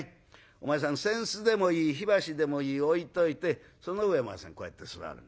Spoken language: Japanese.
お前さん扇子でもいい火箸でもいい置いといてその上にお前さんこうやって座る。